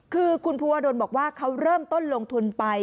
คือคุณภูวดลบอกว่าเขาเริ่มต้นลงทุนไป